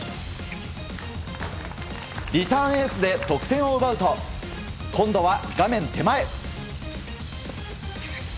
リターンエースで得点を奪うと今度は、画面手前。